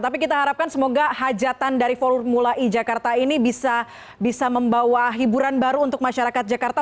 tapi kita harapkan semoga hajatan dari formula e jakarta ini bisa membawa hiburan baru untuk masyarakat jakarta